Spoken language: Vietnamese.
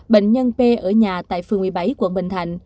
bệnh nhân p ở nhà tại phường một mươi bảy quận bình thạnh